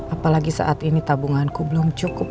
apalagi saat ini tabunganku belum cukup